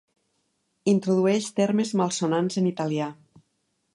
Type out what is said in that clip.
Introdueix termes malsonants en italià.